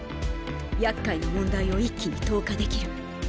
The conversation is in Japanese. やっかいな問題を一気に投下できる。